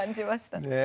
ねえ。